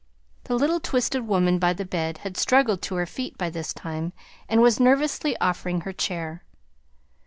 The little twisted woman by the bed had struggled to her feet by this time, and was nervously offering her chair.